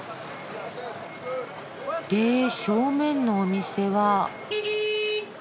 で正面のお店は。